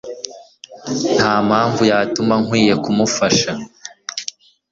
Nta mpamvu yatuma nkwiye kumufasha.